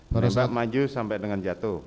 mereka maju sampai dengan jatuh